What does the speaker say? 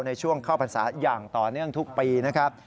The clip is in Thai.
ในช่วงเข้าพรรษาอย่างต่อเนื่องทุกปีนะครับ